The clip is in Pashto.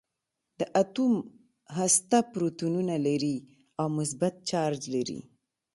د اتوم هسته پروتونونه لري او مثبت چارج لري.